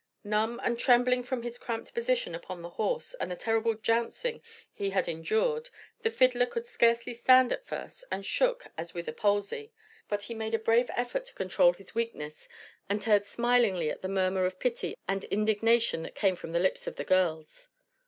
Numb and trembling from his cramped position upon the horse and the terrible jouncing he had endured, the fiddler could scarcely stand at first and shook as with a palsy; but he made a brave effort to control his weakness and turned smilingly at the murmur of pity and indignation that came from the lips of the girls.